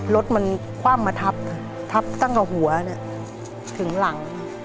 รถมันคว่ำมาทับทับตั้งแต่หัวถึงหลัง